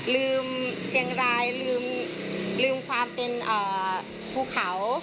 ลืมเชียงรายลืมความเป็นภูเขา